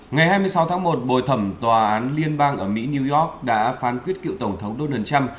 ngày hai mươi sáu tháng một bồi thẩm tòa án liên bang ở mỹ new york đã phán quyết cựu tổng thống donald trump